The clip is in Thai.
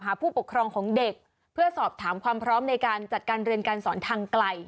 ผู้ปกครองของเด็กเพื่อสอบถามความพร้อมในการจัดการเรียนการสอนทางไกล